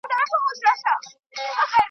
ته به اورې شرنګا شرنګ له هره لوري .